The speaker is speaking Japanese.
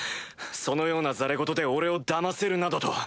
そのような戯れ言で俺をだませるなどと。